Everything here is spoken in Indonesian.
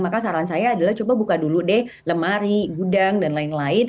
maka saran saya adalah coba buka dulu deh lemari gudang dan lain lain